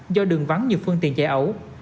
do đường vắng nhiều phương tiện chạy ẩu